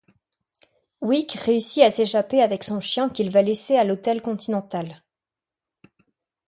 Wick réussit à s'échapper avec son chien qu'il va laisser à l'hôtel Continental.